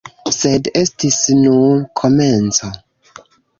Sed estis nur komenco.